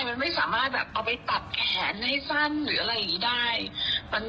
มันไม่สามารถเอาไปตัดแขนให้สั้น